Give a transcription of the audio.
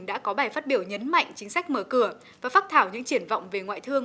đã có bài phát biểu nhấn mạnh chính sách mở cửa và phát thảo những triển vọng về ngoại thương